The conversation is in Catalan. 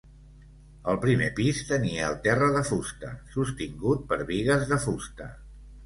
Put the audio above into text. El primer pis tenia el terra de fusta, sostingut per bigues de fusta.